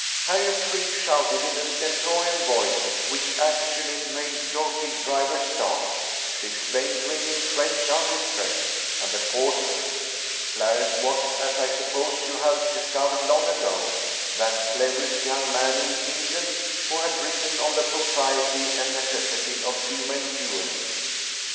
"Harriot Freke shouted in a stentorian voice, which actually made your pig driver start: she explained to him in French our distress, and the cause of it, Clarence was, as I suppose you have discovered long ago, 'that cleverest young man in England who had written on the propriety and necessity of female duelling.